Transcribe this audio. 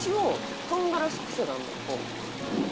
こう。